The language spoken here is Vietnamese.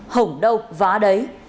hổng đâu vá đấy